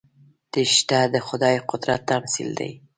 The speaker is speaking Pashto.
دښته د خدايي قدرت تمثیل دی.